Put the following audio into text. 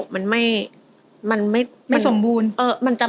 ไม่สมบูรณ์